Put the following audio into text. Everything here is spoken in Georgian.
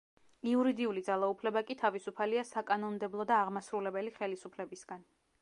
იურიდიული ძალაუფლება კი თავისუფალია საკანონმდებლო და აღმასრულებელი ხელისუფლებისგან.